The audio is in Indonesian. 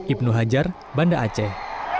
ibnu hajar bandar aceh